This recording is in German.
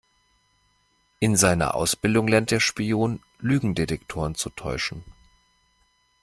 In seiner Ausbildung lernt der Spion, Lügendetektoren zu täuschen.